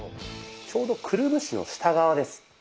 ちょうどくるぶしの下側です。